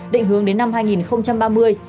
định hướng đến năm hai nghìn ba mươi